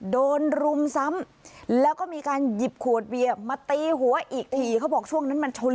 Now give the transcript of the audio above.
รุมซ้ำแล้วก็มีการหยิบขวดเบียร์มาตีหัวอีกทีเขาบอกช่วงนั้นมันชน